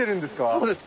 そうです。